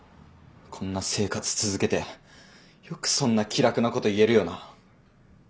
こんな生活続けてよくそんな気楽なこと言えるよな。